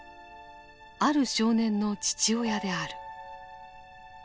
ある少年の父親である。